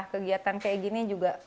kegiatan kayak gini juga